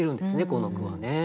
この句はね。